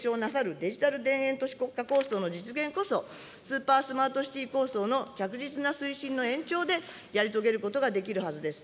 デジタル田園都市国家構想の実現こそ、スーパー・スマートシティ構想の着実な推進の延長でやり遂げることができるはずです。